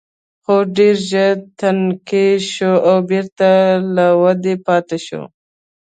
خو ډېر ژر ټکنۍ شوه او بېرته له ودې پاتې شوه.